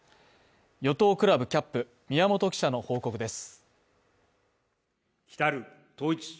与党クラブキャップ・宮本記者の報告です。